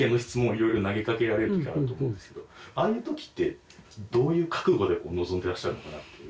色々投げかけられる時あると思うんですけどああいう時ってどういう覚悟で臨んでらっしゃるのかなっていう。